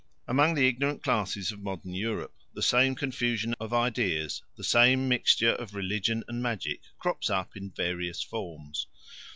Among the ignorant classes of modern Europe the same confusion of ideas, the same mixture of religion and magic, crops up in various forms.